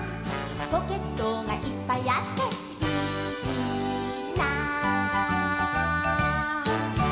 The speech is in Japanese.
「ポケットがいっぱいあっていいな」